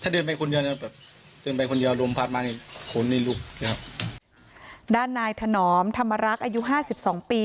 ด้านนายถนอมธรรมรักอายุ๕๒ปี